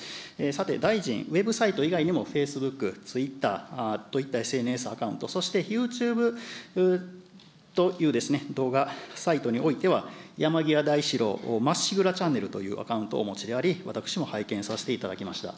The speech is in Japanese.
さて、大臣、ウェブサイト以外にもフェイスブック、ツイッターといったＳＮＳアカウント、そしてユーチューブという動画サイトにおいては、山際大志郎まっしぐらチャンネルというアカウントをお持ちであり、私も拝見させていただきました。